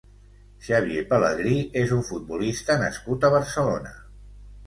Xavier Pelegrí és un futbolista nascut a Barcelona.